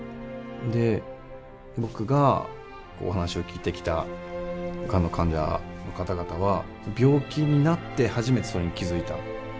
で僕がお話を聞いてきたがんの患者の方々は病気になって初めてそれに気付いた。